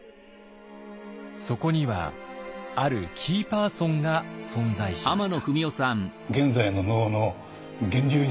そこにはあるキーパーソンが存在しました。